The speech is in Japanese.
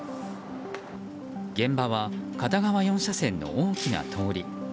現場は片側４車線の大きな通り。